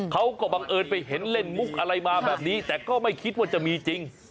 บังเอิญไปเห็นเล่นมุกอะไรมาแบบนี้แต่ก็ไม่คิดว่าจะมีจริง